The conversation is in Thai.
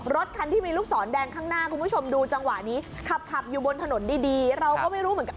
รถคันที่มีลูกศรแดงข้างหน้าคุณผู้ชมดูจังหวะนี้ขับขับอยู่บนถนนดีเราก็ไม่รู้เหมือนกัน